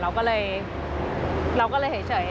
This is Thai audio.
เราก็เลยเห็นเฉย